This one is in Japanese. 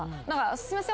すいません